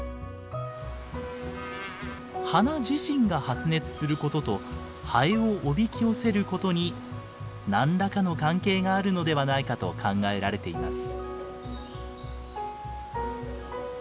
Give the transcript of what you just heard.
花自身が発熱することとハエをおびき寄せることに何らかの関係があるのではないかと考えられています。